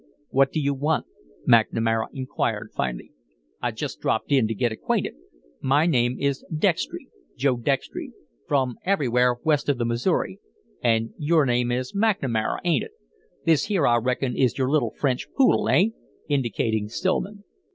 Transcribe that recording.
"What do you want?" McNamara inquired, finally. "I just dropped in to get acquainted. My name is Dextry Joe Dextry from everywhere west of the Missouri an' your name is McNamara, ain't it? This here, I reckon, is your little French poodle eh?" indicating Stillman.